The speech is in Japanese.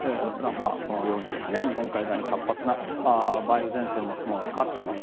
このように日本海側に活発な梅雨前線の雲がかかっています。